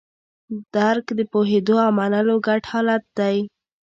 درک د پوهېدو او منلو ګډ حالت دی.